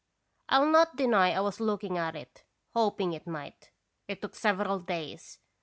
I'll not deny 1 was looking at it, hoping it might. It took several days.